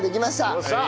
よっしゃ！